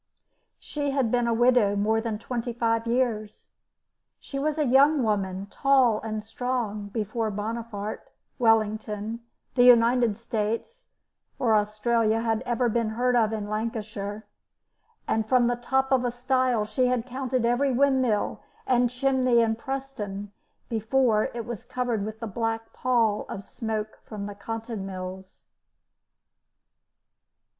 She had been a widow more than twenty five years. She was a young woman, tall and strong, before Bonaparte, Wellington, the United States, or Australia, had ever been heard of in Lancashire, and from the top of a stile she had counted every windmill and chimney in Preston before it was covered with the black pall of smoke from the cotton mills.